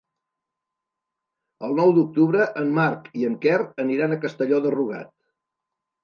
El nou d'octubre en Marc i en Quer aniran a Castelló de Rugat.